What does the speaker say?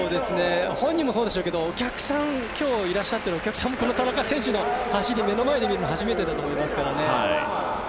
本人もそうでしたけど今日いらっしゃってるお客さんもこの田中選手の走り目の前で見るの初めてだと思いますから。